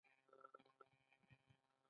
دا به زه یم، یوځل بیا به